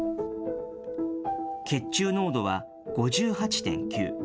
血中濃度は５８．９。